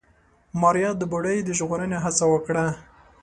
ماريا د بوډۍ د ژغورنې هڅه وکړه.